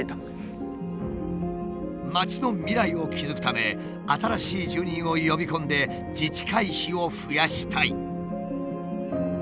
町の未来を築くため新しい住人を呼び込んで自治会費を増やしたい。